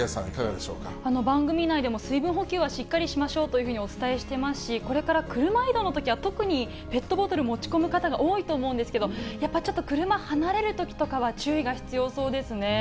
番組内でも、水分補給はしっかりしましょうというふうにお伝えしてますし、これから車移動のときは特にペットボトル持ち込む方が多いと思うんですけど、やっぱちょっと車離れるときとかは注意が必要そうですね。